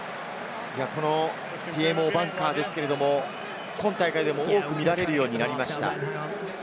ＴＭＯバンカーですけれども、今大会でも多く見られるようになりました。